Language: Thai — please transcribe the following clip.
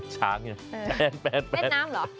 ช้างเหรอแปดเล่นน้ำเหรอ